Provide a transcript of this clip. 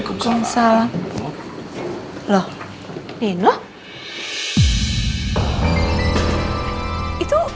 kau bisa lihat